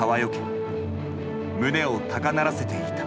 胸を高鳴らせていた。